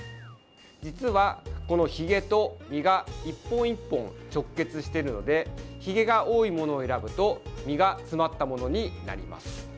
実は、ひげと実が１本１本直結してるのでひげが多いものを選ぶと実が詰まったものになります。